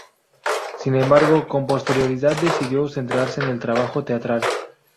Sin embargo, con posterioridad decidió centrarse en el trabajo teatral.